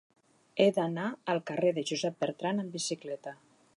He d'anar al carrer de Josep Bertrand amb bicicleta.